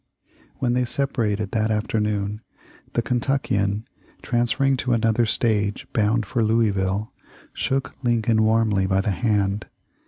When they separated that afternoon, the Kentuckian, transferring to another stage, bound for Louisville, shook Lincoln warmly by the hand.